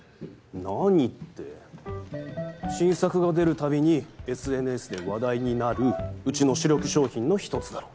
何って新作が出るたびにＳＮＳで話題になるうちの主力商品の１つだろ。